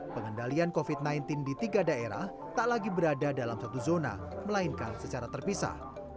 pengendalian covid sembilan belas di tiga daerah tak lagi berada dalam satu zona melainkan secara terpisah